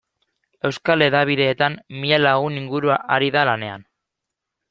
Euskal hedabideetan mila lagun inguru ari da lanean.